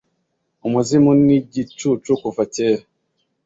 umuzimu nigicucu kuva kera,